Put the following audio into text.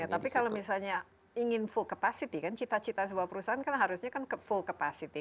tapi kalau misalnya ingin full capacity kan cita cita sebuah perusahaan kan harusnya kan full capacity